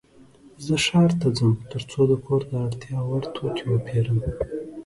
زه ښار ته ځم ترڅو د کور د اړتیا وړ توکې وپيرم.